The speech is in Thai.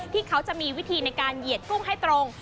ที่เขาจะมีวิธีในการเหยียดกุ้งให้ตรง